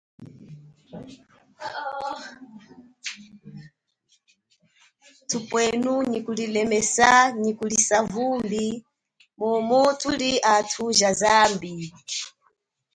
Thupwenu nyi kulilemesa nyi kulisa vumbi mumu thuli athu ja zambi.